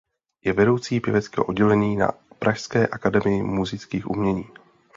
Je vedoucí pěveckého oddělení na pražské Akademii múzických umění.